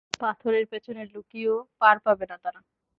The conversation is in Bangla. পাথরের পেছনে লুকিয়েও পার পাবে না তারা!